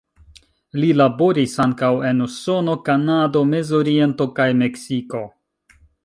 Li laboris ankaŭ en Usono, Kanado, Mezoriento kaj Meksiko.